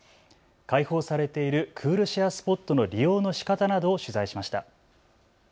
開放されているクールシェアスポットの利用のしかたなどを取材しました。